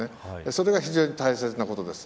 それが非常に大切なことです。